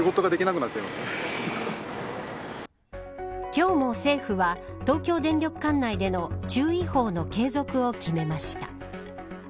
今日も政府は東京電力管内での注意報の継続を決めました。